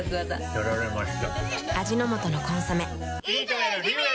やられました。